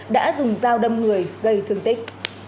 đã dùng dao đâm người gây thương tích